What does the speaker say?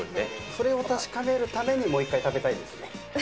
それを確かめるためにもう一回食べたいですね。